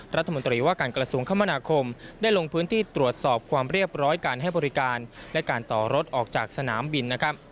รัฐมนตรีว่ากลสคมได้ลงพื้นที่ตรวจสอบความเรียบร้อยการให้บริการและการต่อรถออกจากสนามบิน